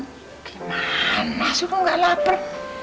gimana sih rok gak lapar